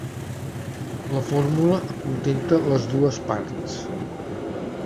La fórmula acontenta les dues parts